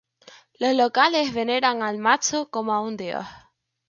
Los locales veneran al Macho como a un dios.